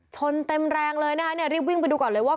ชนเต็มแรงเลยนะคะเนี่ยรีบวิ่งไปดูก่อนเลยว่า